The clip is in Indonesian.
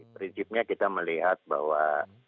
prinsipnya kita melihat bahwa